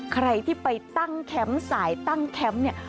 ใครที่ไปตั้งแคมป์สายตั้งแคมป์เนี่ย